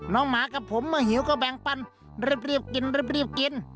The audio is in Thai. หมากับผมเมื่อหิวก็แบ่งปันรีบกินรีบกิน